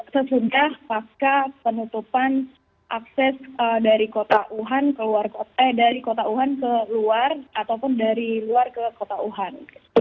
sesudah pasca penutupan akses dari kota wuhan ke luar ataupun dari luar ke kota wuhan